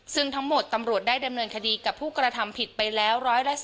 ซึ่งทั้งหมดตำรวจได้ดำเนินคดีกับผู้กระทำผิดไปแล้ว๑๔